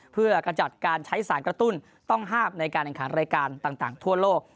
เพื่อกระจัดการใช้สารกระตุ้นต้องห้ามในการแข่งขันรายการต่างทั่วโลก